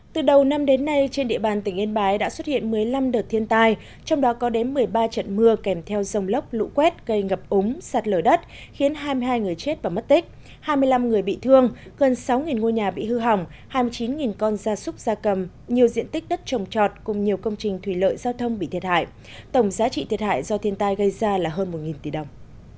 từ đầu năm đến nay trên địa bàn tỉnh yên bái đã xuất hiện một mươi năm đợt thiên tai trong đó có đến một mươi ba trận mưa kèm theo dòng lốc lũ quét cây ngập ống sạt lở đất khiến hai mươi hai người chết và mất tích hai mươi năm người bị thương gần sáu ngôi nhà bị hư hỏng hai mươi chín con gia súc gia cầm nhiều diện tích đất trồng trọt cùng nhiều công trình thủy lợi giao thông bị thiệt hại tổng giá trị thiệt hại do thiên tai gây ra là hơn một tỷ đồng